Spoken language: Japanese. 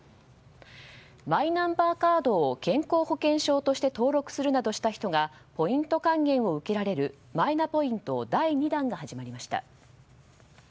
マイナンバーカードを健康保険証として登録するなどした人がポイント還元を受けられるマイナポイント第２弾が始まりました。